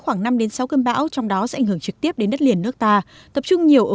thể xuất hiện sáu cơn bão trong đó sẽ ảnh hưởng trực tiếp đến đất liền nước ta tập trung nhiều ở